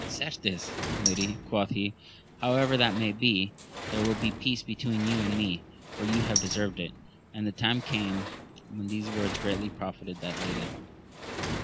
Certes, lady, quoth he, however that may be, there will be peace between you and me, for you have deserved it. And the time came when these words greatly profited that lady.